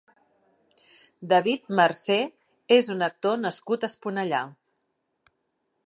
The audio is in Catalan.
David Marcé és un actor nascut a Esponellà.